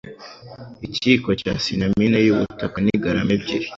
Ikiyiko cya cinamine y'ubutaka ni garama ebyiri.